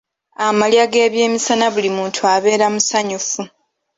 Amalya g'ebyemisana buli muntu abeera musanyufu.